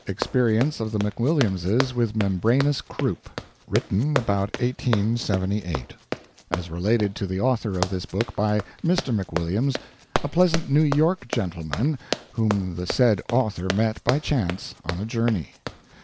EXPERIENCE OF THE McWILLIAMSES WITH MEMBRANOUS CROUP [Written about 1878.] [As related to the author of this book by Mr. McWilliams, a pleasant New York gentleman whom the said author met by chance on a journey.